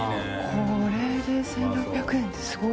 これで１６００円ってすごい。